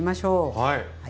はい。